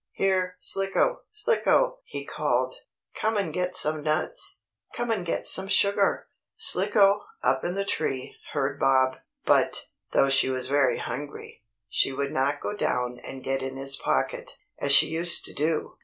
Here, Slicko! Slicko!" he called. "Come and get some nuts! Come and get some sugar!" Slicko, up in the tree, heard Bob, but, though she was very hungry, she would not go down and get in his pocket, as she used to do.